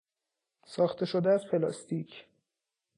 ساخته شده از پلاستیک